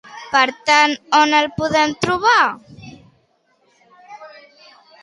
Per tant, on no el podem trobar?